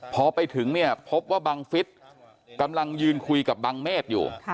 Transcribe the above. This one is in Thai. พอไปถึงเนี่ยพบว่าบังฟิศกำลังยืนคุยกับบังเมฆอยู่